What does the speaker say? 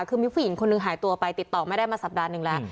คือมีผู้หญิงคนหนึ่งหายตัวไปติดต่อไม่ได้มาสัปดาห์หนึ่งแล้ว